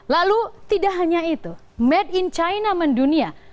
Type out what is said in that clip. lalu tidak hanya itu made in china mendunia